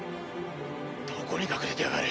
どこに隠れてやがる。